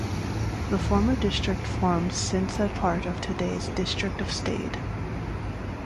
The former district forms since a part of today's "District of Stade".